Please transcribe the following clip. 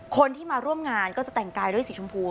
คนที่มาร่วมงานก็จะแต่งกายด้วยสีชมพู